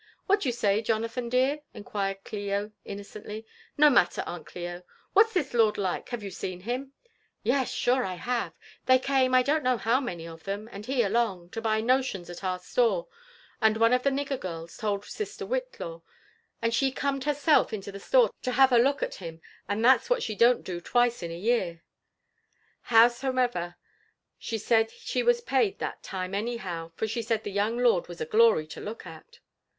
'< What d'ye say, Jonathan dear?" inquired Clio innocently. <*No matter. Aunt Clio. What's this lord like? have you seen him?" h *' Yes, sure have L They came, I don't know how many of them>, and he along, to buy notions at our store ; and one of the nigger girls told sister Whitlaw, and she corned herself into the store to have a lodk JONATHAN nmMim WHITIiAW. tM •( bitttf aDdihat's what she doh 't do twice in a year* Howsomev^r^ ahe said she wi^s paid that time anyhow, {or she said the youpg lord was a glory to look at.